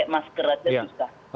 mas keratnya juga